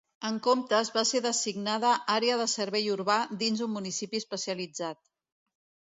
En comptes va ser designada àrea de servei urbà dins d'un municipi especialitzat.